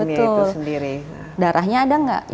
betul darahnya ada nggak